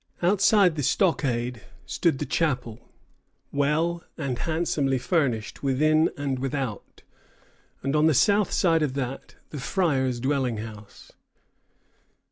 Outside the stockade stood the chapel, "well and handsomely furnished within and without, and on the south side of that the Fryer's dwelling house."